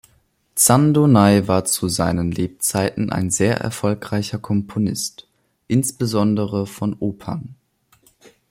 Zandonai war zu seinen Lebzeiten ein sehr erfolgreicher Komponist, insbesondere von Opern.